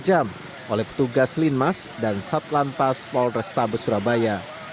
dua puluh empat jam oleh petugas linmas dan satlantas polrestabes surabaya